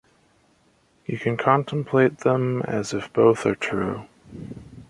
You can contemplate them as if both are true.